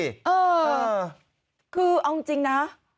เออคือเอาจริงนะ